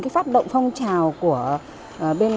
phát động phong trào của bệnh viện